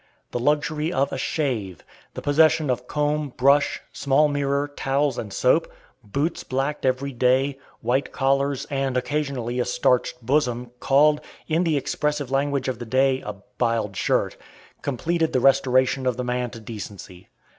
The luxury of "a shave;" the possession of comb, brush, small mirror, towels and soap; boots blacked every day; white collars, and occasionally a starched bosom, called, in the expressive language of the day, a "biled shirt," completed the restoration of the man to decency.